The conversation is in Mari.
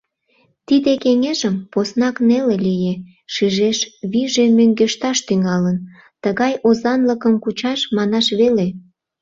Тиде кеҥежым поснак неле лие: шижеш, вийже мӧҥгешташ тӱҥалын, тыгай озанлыкым кучаш, манаш веле.